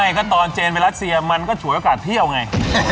ก็ตอนเจนไปรัสเซียมันก็ฉวยโอกาสเที่ยวไง